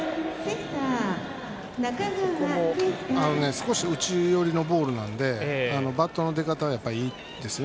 少し内寄りのボールなのでバットの出方がいいですね。